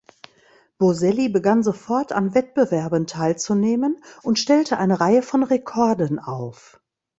Boselli begann sofort an Wettbewerben teilzunehmen und stellte eine Reihe von Rekorden auf.